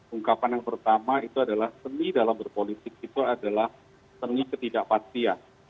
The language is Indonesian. ungkapan yang pertama itu adalah seni dalam berpolitik itu adalah seni ketidakpastian